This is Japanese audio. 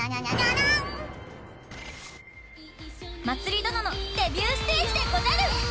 まつり殿のデビューステージでござる！